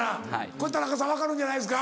これ田中さん分かるんじゃないですか？